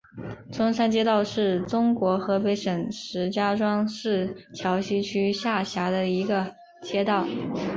中山街道是中国河北省石家庄市桥西区下辖的一个街道。